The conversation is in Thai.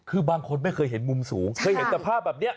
คือบางคนไม่เคยเห็นมุมสูงเคยเห็นสภาพแบบนี้